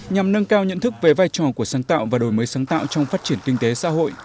nhằm nâng cao nhận thức về vai trò của sáng tạo và đổi mới sáng tạo trong phát triển kinh tế xã hội